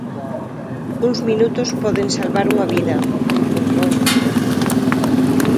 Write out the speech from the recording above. Uns minutos poden salvar unha vida... ou non, conclúe.